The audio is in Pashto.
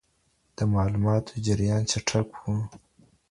د معلوماتو جریان چټک و.